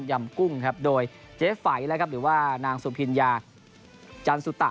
ยำกุ้งครับโดยเจ๊ไฟหรือว่านางซุมพิลยา